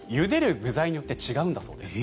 具材によって違うんだそうです。